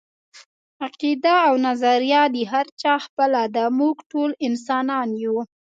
عقیده او نظريه د هر چا خپله ده، موږ ټول انسانان يو